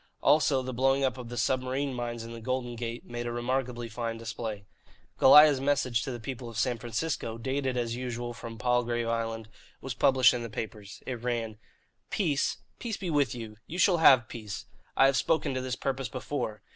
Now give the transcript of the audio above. Also, the blowing up of the submarine mines in the Golden Gate made a remarkably fine display. Goliah's message to the people of San Francisco, dated as usual from Palgrave Island, was published in the papers. It ran: "Peace? Peace be with you. You shall have peace. I have spoken to this purpose before.